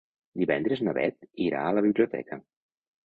Divendres na Beth irà a la biblioteca.